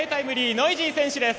ノイジー選手です。